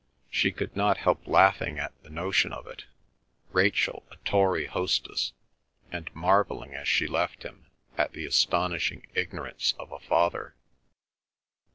She could not help laughing at the notion of it—Rachel a Tory hostess!—and marvelling as she left him at the astonishing ignorance of a father.